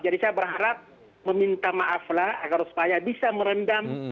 jadi saya berharap meminta maaflah agar supaya bisa meredamkan